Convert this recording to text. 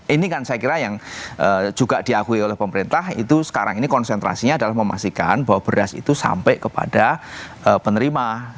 ini kan saya kira yang juga diakui oleh pemerintah itu sekarang ini konsentrasinya adalah memastikan bahwa beras itu sampai kepada penerima